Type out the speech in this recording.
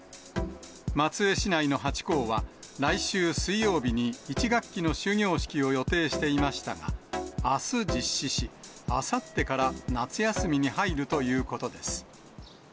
松江市内の８校は、来週水曜日に１学期の終業式を予定していましたが、あす実施し、あさってから夏休みに入るということです。